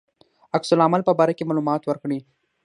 عکس العمل په باره کې معلومات ورکړي.